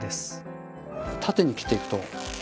縦に切っていくと。